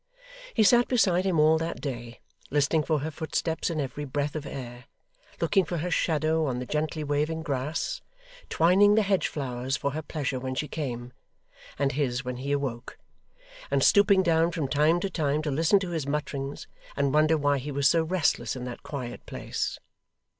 He sat beside him all that day; listening for her footsteps in every breath of air, looking for her shadow on the gently waving grass, twining the hedge flowers for her pleasure when she came, and his when he awoke; and stooping down from time to time to listen to his mutterings, and wonder why he was so restless in that quiet place.